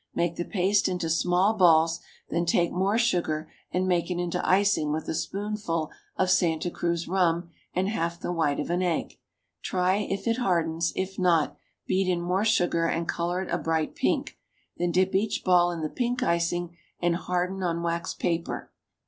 Make the paste into small balls, then take more sugar and make it into icing with a spoonful of Santa Cruz rum and half the white of an egg. Try if it hardens, if not, beat in more sugar and color it a bright pink, then dip each ball in the pink icing and harden on wax paper.